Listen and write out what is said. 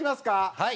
はい。